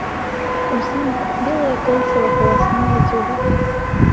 У самак белае кольца вакол асновы дзюбы.